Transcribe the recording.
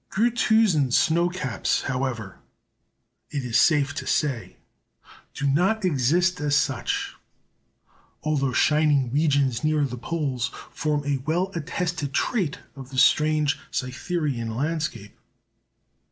Gruithuisen's "snow caps," however it is safe to say do not exist as such; although shining regions near the poles form a well attested trait of the strange Cytherean landscape.